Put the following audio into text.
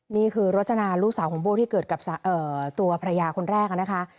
นี่คือรจนาลูกสาวของโบ้ที่เกิดกับตัวภรรยาคนแรกนะคะ